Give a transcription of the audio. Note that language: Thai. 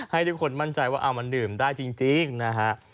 ให้ทุกคนมั่นใจว่ามันดื่มได้จริงนะฮะ